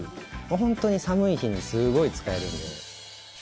本当に寒い日にすごい使えるんで。